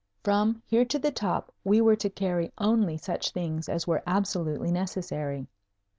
From here to the top we were to carry only such things as were absolutely necessary.